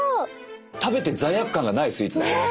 食べて罪悪感がないスイーツだ。ね！